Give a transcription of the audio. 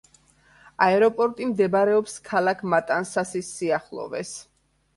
აეროპორტი მდებარეობს ქალაქ მატანსასის სიახლოვეს.